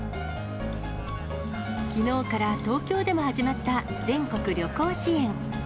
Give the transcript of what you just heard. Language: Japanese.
きのうから東京でも始まった全国旅行支援。